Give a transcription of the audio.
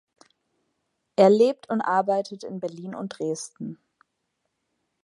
Er lebt und arbeitet in Berlin und Dresden.